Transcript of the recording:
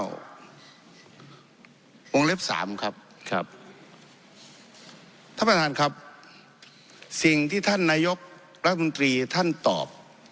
วงเล็บสามครับครับท่านประธานครับสิ่งที่ท่านนายกรัฐมนตรีท่านตอบ